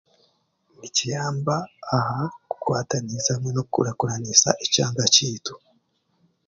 Nikiyamba aha kukwatanisa hamwe n'okukurakuranisa ekyanga kyaitu.